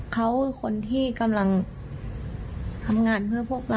เขาคือคนที่กำลังทำงานเพื่อพวกเรา